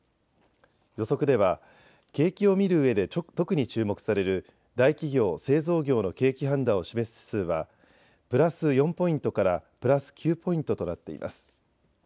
予測では景気を見るうえで特に注目される大企業・製造業の景気判断を示す指数はプラス４ポイントからプラス９ポイントとなっています。